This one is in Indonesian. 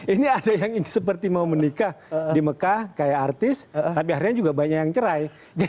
ini ada yang seperti mau menikah di mekah kayak artis tapi akhirnya juga banyak yang cerai